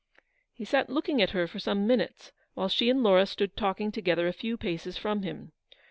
He sat looking at her for some minutes while she and Laura stood talking together a few paces from him.